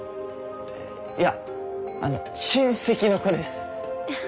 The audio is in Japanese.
いやあの親戚の子です。